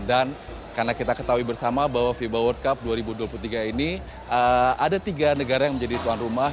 karena kita ketahui bersama bahwa fiba world cup dua ribu dua puluh tiga ini ada tiga negara yang menjadi tuan rumah